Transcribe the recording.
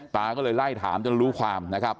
ตาก็เลยไล่ถามจนรู้ความนะครับ